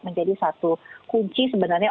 menjadi satu kunci sebenarnya